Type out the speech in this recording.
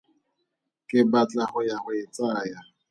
Ke batla go ya go e tsaya.